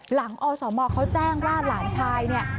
อสมเขาแจ้งว่าหลานชายเนี่ย